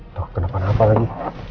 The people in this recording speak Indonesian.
tau kenapa napa lagi